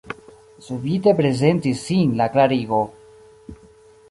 Subite prezentis sin la klarigo.